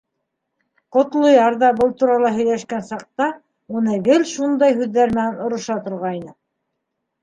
Ҡотлояр ҙа был турала һөйләшкән саҡта уны гел шундай һүҙҙәр менән ороша торғайны.